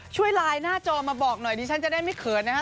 ช่วยไลน์หน้าจอมาบอกหน่อยดิฉันจะได้ไม่เขินนะฮะ